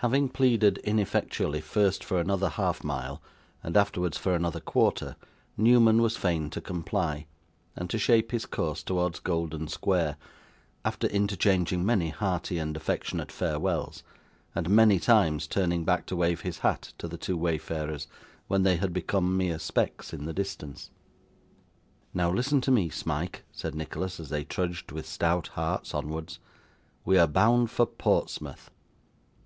Having pleaded ineffectually first for another half mile, and afterwards for another quarter, Newman was fain to comply, and to shape his course towards Golden Square, after interchanging many hearty and affectionate farewells, and many times turning back to wave his hat to the two wayfarers when they had become mere specks in the distance. 'Now listen to me, Smike,' said Nicholas, as they trudged with stout hearts onwards. 'We are bound for Portsmouth.